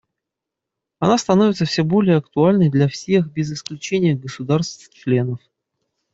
Она становится все более актуальной для всех без исключения государств-членов.